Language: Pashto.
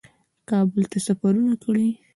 کابل ته سفرونه کړي